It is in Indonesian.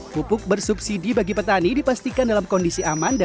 pupuk bersubsidi bagi petani dipastikan dalam kondisi aman